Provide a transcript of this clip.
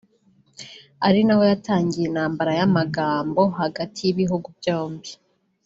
ari naho hatangiriye intambara y’amagambo hagati y’ibihugu byombi